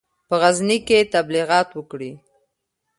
په غزني کې تبلیغات وکړي.